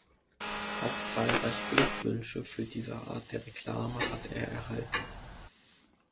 Auch zahlreiche Glückwünsche für diese Art der Reklame hat er erhalten.